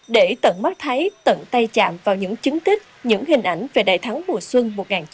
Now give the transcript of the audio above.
để tận mắt thấy tận tay chạm vào những chứng tích những hình ảnh về đại thắng mùa xuân một nghìn chín trăm bảy mươi năm